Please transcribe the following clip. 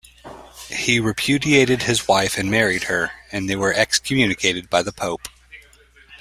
He repudiated his wife and married her, and they were excommunicated by the Pope.